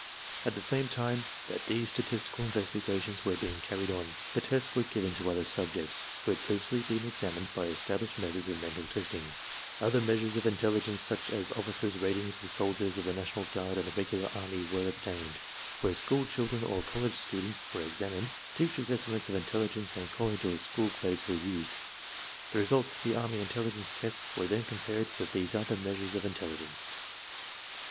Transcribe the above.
At the same time that these statistical investigations were being carried on, the tests were given to other subjects who had previously been examined by established methods of mental testing. Other measures of intelligence, such as officers' ratings 6 ARMY MENTAL TESTS of soldiers of the National Guard and the Regular Army, were obtained. Where school children or college students were exam ined, teacher's estimates of intelligence and college or school grades were used. The results of the army intelligence tests were then compared with these other measures of intelligence.